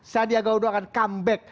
sandi agaudo akan comeback